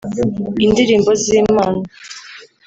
indirimbo z’Imana